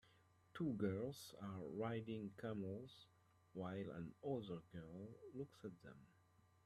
Two girls are riding camels while another girl looks at them.